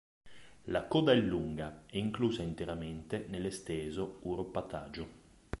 La coda è lunga e inclusa interamente nell'esteso uropatagio.